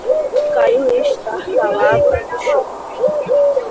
Caiu estártalado no chão